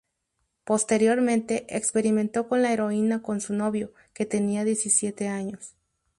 Posteriormente, experimentó con la heroína con su novio, que tenía diecisiete años.